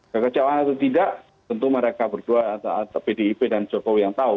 kekecewaan atau tidak tentu mereka berdua pdip dan jokowi yang tahu